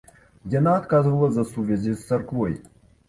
Яна адказвала за сувязі з царквой.